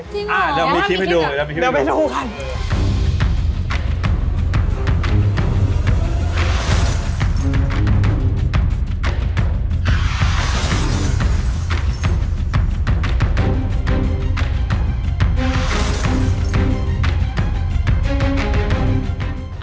จริงเหรอจะเอามีคลิปให้ดูค่ะเอาไปดูค่ะ